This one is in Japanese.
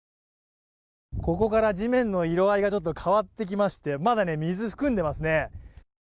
ここから地面の色合いがちょっと変わってきましてまだね水含んでますね